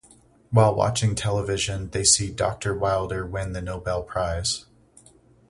While watching television, they see Doctor Wilder win the Nobel Prize.